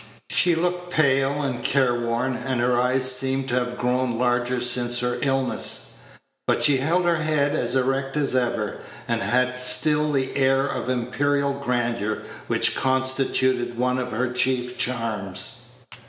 She looked pale and careworn, and her eyes seemed to have grown larger since her illness; but she held her head as erect as ever, and had still the air of imperial grandeur which constituted one of her chief charms.